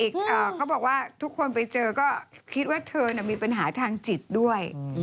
เขาบอกว่าทุกคนไปเจอก็คิดว่าเธอมีปัญหาทางจิตด้วย